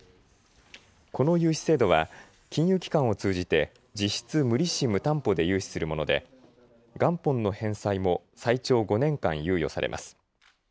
この融資制度は金融機関を通じて実質無利子・無担保で融資するもので元本の返済も最長５年間猶予されます。